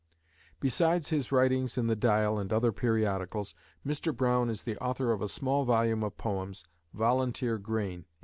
Besides his writings in THE DIAL and other periodicals, Mr. Browne is the author of a small volume of poems, "Volunteer Grain" (1895).